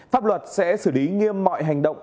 pháp luật sẽ xử lý nghiêm mọi hành động